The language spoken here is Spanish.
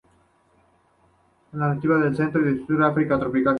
Es nativa del centro y sur de África tropical.